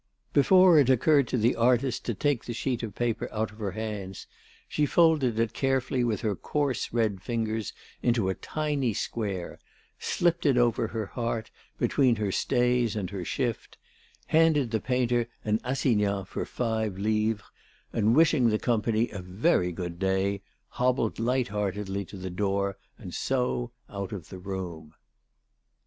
Before it occurred to the artist to take the sheet of paper out of her hands, she folded it carefully with her coarse red fingers into a tiny square, slipped it over her heart between her stays and her shift, handed the painter an assignat for five livres, and wishing the company a very good day, hobbled light heartedly to the door and so out of the room.